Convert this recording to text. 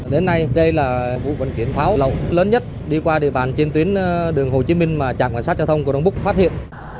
đến nay đây là vụ vận kiểm pháo lớn nhất đi qua địa bàn trên tuyến đường hồ chí minh mà trạng quan sát giao thông của đồng búc phát hiện